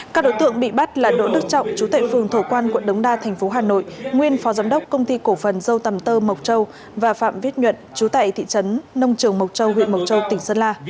các đối tượng bị bắt là đỗ đức trọng chú tệ phường thổ quan quận đống đa tp hà nội nguyên phó giám đốc công ty cổ phần dâu tầm tơ mộc châu và phạm viết nhuận chú tại thị trấn nông trường mộc châu huyện mộc châu tỉnh sơn la